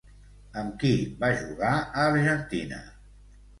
Amb qui va jugar a Argentina?